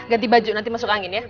ganti baju nanti masuk angin ya